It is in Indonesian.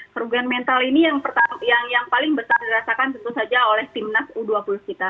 kerugian mental ini yang paling besar dirasakan tentu saja oleh timnas u dua puluh kita